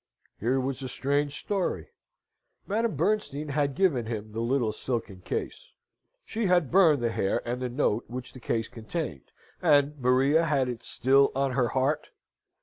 Here was a strange story! Madame Bernstein had given him the little silken case she had burned the hair and the note which the case contained, and Maria had it still on her heart!